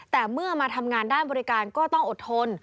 แต่เมื่อมาทำงานด้านบริการก็ต้องอดทน